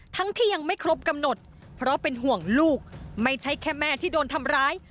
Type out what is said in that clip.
ที่ยังไม่ครบกำหนดเพราะเป็นห่วงลูกไม่ใช่แค่แม่ที่โดนทำร้าย